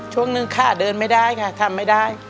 ช่วงนึงขาเดินไม่ได้ค่ะทำไม่ได้